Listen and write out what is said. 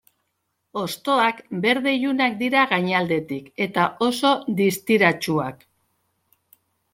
Hostoak berde ilunak dira gainaldetik eta oso distiratsuak.